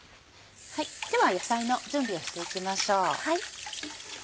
では野菜の準備をしていきましょう。